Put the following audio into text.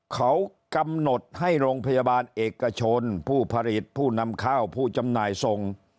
เขากำหนดให้โรงพยาบาลเอกชนผู้ผลิตผู้นำข้าวผู้จำหน่ายส่ง